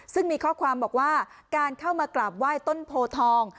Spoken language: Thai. ซึ่งมีข้อความบอกว่าการเข้ามากราบไหว้ต้นโพทอง